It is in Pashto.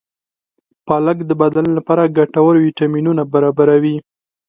پالک د بدن لپاره ګټور ویټامینونه برابروي.